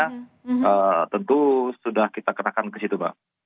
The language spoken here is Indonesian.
nah tentu sudah kita ketahkan ke situ mbak